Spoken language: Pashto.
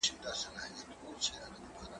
شګه د کتابتوننۍ له خوا پاکيږي!.